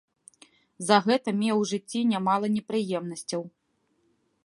За гэта меў у жыцці нямала непрыемнасцяў.